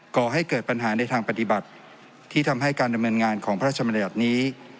ก่อให้เกิดปัญหาในทางปฏิบัติที่ทำให้การดำเนินงานของพระราชมัญญัตินี้